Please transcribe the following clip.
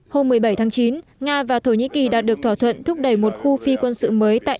hôm một mươi bảy tháng chín nga và thổ nhĩ kỳ đã được thỏa thuận thúc đẩy một khu phi quân sự mới tại